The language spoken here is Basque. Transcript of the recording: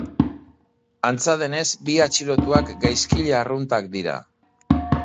Antza denez, bi atxilotuak gaizkile arruntak dira.